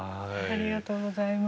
ありがとうございます。